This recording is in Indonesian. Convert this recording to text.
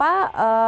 jauh dari keramaian